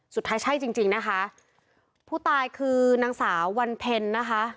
สุดท้ายใช่จริงจริงนะคะผู้ตายคือนางสาววันเพ็ญนะคะ